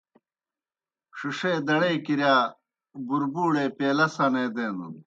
ݜِݜے دڑے کِرِیا بُربُوڑے پیلہ سنے دینَن۔